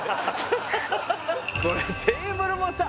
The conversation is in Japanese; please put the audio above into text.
これテーブルもさ